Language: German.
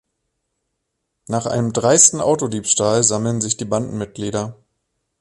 Nach einem dreisten Autodiebstahl sammeln sich die Bandenmitglieder.